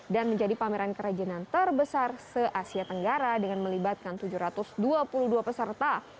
dan menjadi pameran kerajinan terbesar se asia tenggara dengan melibatkan tujuh ratus dua puluh dua peserta